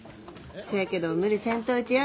せやけど無理せんといてや。